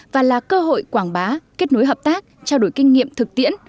và là cơ hội quảng bá kết nối hợp tác trao đổi kinh nghiệm thực tiễn